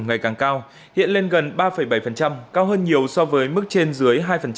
ngày càng cao hiện lên gần ba bảy cao hơn nhiều so với mức trên dưới hai